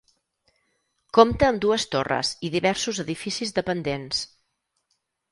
Compta amb dues torres i diversos edificis dependents.